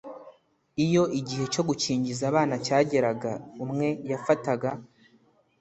Iyo igihe cyo gukingiza abana cyageraga umwe yafataga